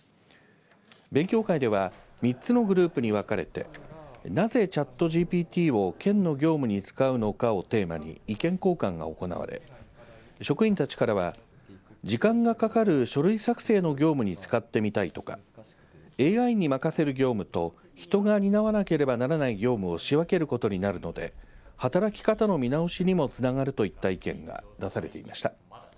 勉強会では３つのグループに分かれてなぜチャットＧＰＴを県の業務に使うのかをテーマに意見交換が行われ職員たちからは時間がかかる書類作成の業務に使ってみたいとかＡＩに任せる業務と人が担わなければならない業務を仕分けることになるので働き方の見直しにもつながるといった意見が出されていました。